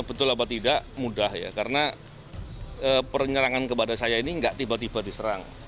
betul apa tidak mudah ya karena penyerangan kepada saya ini tidak tiba tiba diserang